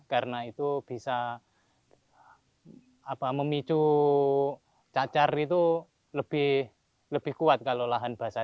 karena itu bisa memicu cacar itu lebih kuat kalau lahan basah